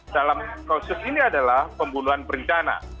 dalam proses ini adalah pembunuhan perencana